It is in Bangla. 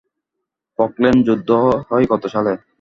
ফকল্যান্ড যুদ্ধ হয় কত সালে?